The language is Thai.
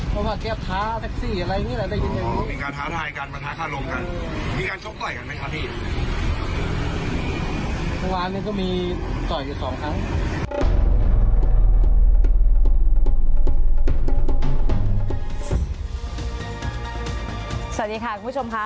มันมาปิดค่ายใช่ไหมมามาปิดค่ายมามาแบบนี้มาคุยกัน